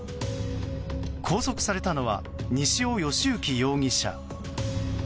拘束されたのは西尾嘉之容疑者。